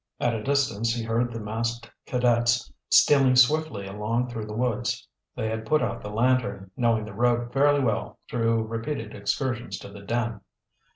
At a distance he heard the masked cadets stealing swiftly along through the woods. They had put out the lantern, knowing the road fairly well through repeated excursions to the den.